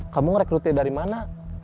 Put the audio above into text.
kamu ngerekrut dia dari mana